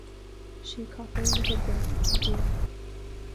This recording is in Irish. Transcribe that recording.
Sí capall na hoibre an bia